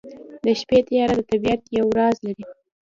د شپې تیاره د طبیعت یو راز لري.